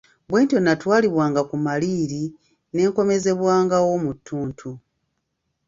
Bwentyo natwalibwanga ku maliiri ne nkomezebwangawo mu ttuntu.